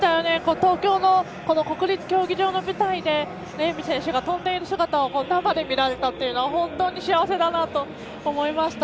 東京の国立競技場の舞台で、レーム選手が跳んでる姿を生で見られたというのは本当に幸せだなと思いました。